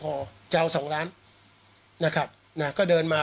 เด็กคนหนึ่งไม่พอจะเอาสองล้านนะครับน่ะก็เดินมา